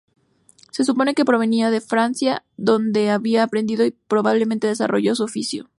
Se supone que provenía de Francia, donde habría aprendido y, probablemente, desarrollado su oficio.